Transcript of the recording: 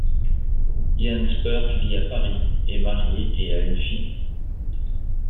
Jan Spurk vit à Paris, est marié et a une fille.